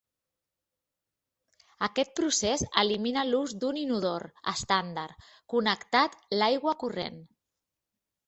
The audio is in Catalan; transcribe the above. Aquest procés elimina l'ús d'un inodor estàndard connectat l'aigua corrent.